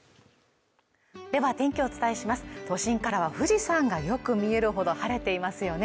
では天気をお伝えします都心からは富士山がよく見えるほど晴れていますよね。